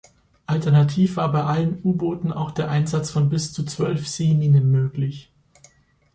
Alternativ war bei allen U-Booten auch der Einsatz von bis zu zwölf Seeminen möglich.